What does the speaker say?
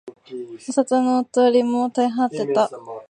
お里の便りも絶え果てた